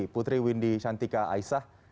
putri windy shantika aisah